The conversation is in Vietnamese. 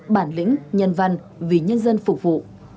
bản lĩnh nhân văn vì nhân dân phục vụ